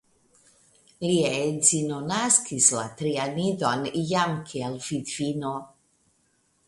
Lia edzino naskis la trian idon jam kiel vidvino.